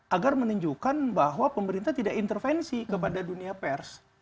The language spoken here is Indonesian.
agar menunjukkan bahwa pemerintah tidak intervensi kepada dunia pers